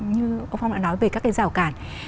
như ông phong đã nói về các cái rào cản